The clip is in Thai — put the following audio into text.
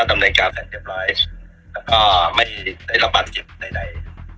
ดำเนินการแสนเจ็บร้อยและไม่รับปัดเจ็บใด